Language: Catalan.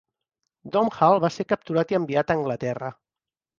Domhall va ser capturat i enviat a Anglaterra.